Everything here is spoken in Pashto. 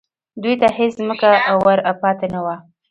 دوی ته هېڅ ځمکه ور پاتې نه وه